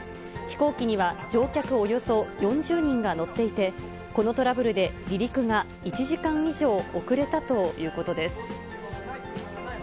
飛行機には乗客およそ４０人が乗っていて、このトラブルで離陸が１時間以上遅れたということです。